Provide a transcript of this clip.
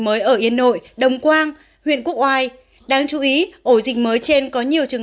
mới ở yên nội đồng quang huyện quốc oai đáng chú ý ổ dịch mới trên có nhiều trường